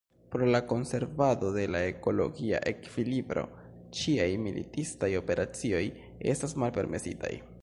Pro la konservado de la ekologia ekvilibro, ĉiaj militistaj operacioj estas malpermesitaj.